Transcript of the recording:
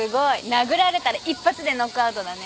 殴られたら一発でノックアウトだね。